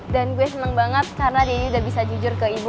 dan gue seneng banget karena didi udah bisa jujur ke ibu